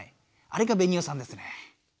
あれがベニオさんですね。